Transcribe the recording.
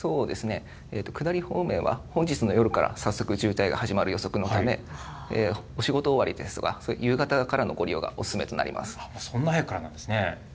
下り方面は本日の夜から早速渋滞が始まる予測のため、お仕事終わりですとか、夕方からのご利用がお勧めとなりまそんな早くからなんですね。